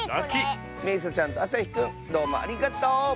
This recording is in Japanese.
めいさちゃんとあさひくんどうもありがとう！